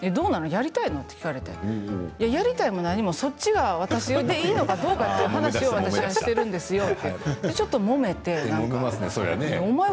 やりたいの？と聞かれて、やりたいも何もそっちが私でいいのかどうかという話を私がしてるんですよとちょっともめて。